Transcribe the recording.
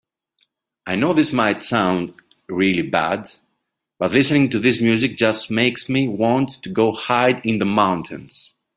I know this might sound really bad, but listening to this music just makes me want to go hide in the mountains.